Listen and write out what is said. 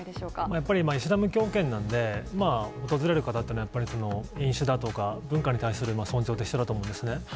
やっぱりイスラム教圏なんで、訪れる方というのは、飲酒だとか、文化に対する尊重って必要だと思うんですね。